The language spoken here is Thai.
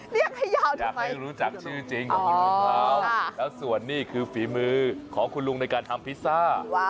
เรียกให้ยาวถูกไหมอยากให้รู้จักชื่อจริงแล้วส่วนนี้คือฝีมือของคุณลุงในการทำพิซซ่า